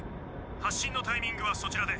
発進のタイミングはそちらで。